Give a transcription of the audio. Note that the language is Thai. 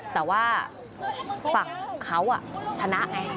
แต่ว่าฝั่งเขาชนะไง